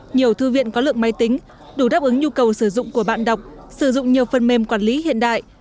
nhiều thư viện có lượng máy tính đủ đáp ứng nhu cầu sử dụng của bạn đọc sử dụng nhiều phần mềm quản lý hiện đại